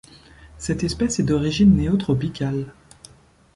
Cette espèce est d'origine néotropicale.